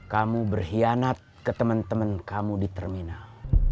kamu berkhianat ke teman teman kamu di terminal